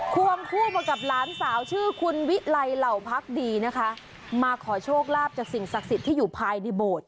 ควงคู่มากับหลานสาวชื่อคุณวิไลเหล่าพักดีนะคะมาขอโชคลาภจากสิ่งศักดิ์สิทธิ์ที่อยู่ภายในโบสถ์